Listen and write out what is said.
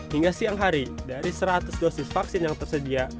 hingga siang hari dari seratus dosis vaksin yang tersedia